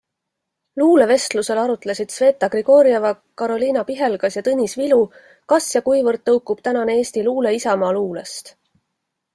Luulevestlusel arutlesid Sveta Grigorjeva, Carolina Pihelgas ja Tõnis Vilu, kas ja kuivõrd tõukub tänane eesti luule isamaaluulest.